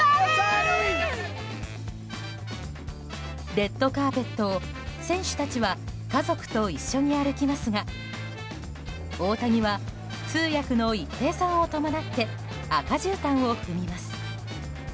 レッドカーペットを選手たちは家族と一緒に歩きますが大谷は通訳の一平さんを伴って赤じゅうたんを踏みます。